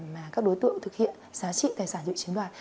mà các đối tượng thực hiện giá trị tài sản dự chiếm đoạt